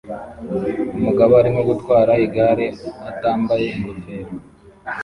Umugabo arimo gutwara igare atambaye ingofero